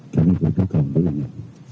kami berduka untuk ini